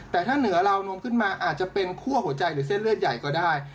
แต่ถ้าเหนือราวนมขึ้นมาอาจจะเป็นคั่วหัวใจหรือเส้นเลือดใหญ่ก็ได้